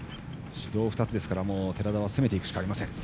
指導２つですから、寺田は攻めていくしかありません。